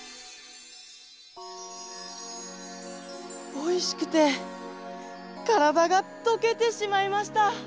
おいしくてからだがとけてしまいました！